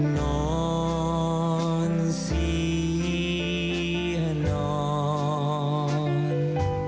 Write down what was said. นอนเสียนอน